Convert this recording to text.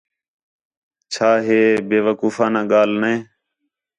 چَھا ہے بے وقوفانہ ڳالھ نے؟